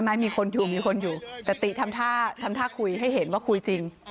ไม่มีคนอยู่แต่ตีทำท่าคุยให้เห็นว่าคุยจริง